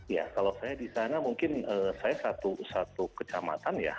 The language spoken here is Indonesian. ya kalau saya di sana mungkin saya satu kecamatan ya